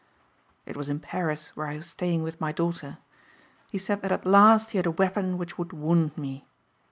"It was in Paris where I was staying with my daughter. He said that at last he had a weapon which would wound me.